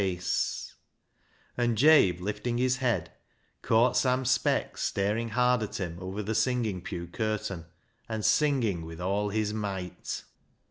368 BECKSIDE LIGHTS And Jabe, lifting his head, caught Sam Speck staring hard at him over the singing pew curtain and singing with all his might.